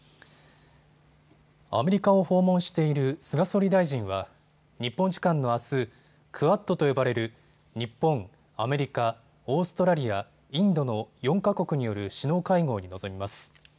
アメリカを訪問している菅総理大臣は日本時間のあす、クアッドと呼ばれる日本、アメリカ、オーストラリア、インドの４か国による首脳会合に臨みます。